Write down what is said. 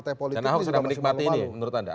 dan ahok sedang menikmati ini menurut anda